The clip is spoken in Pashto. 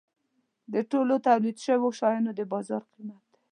د ټولو تولید شوو شیانو د بازار قیمت دی.